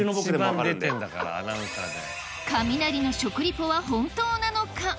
カミナリの食リポは本当なのか？